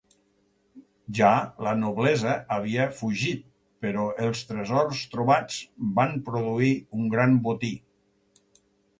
Ja la noblesa havia fugit però els tresors trobats van produir un gran botí.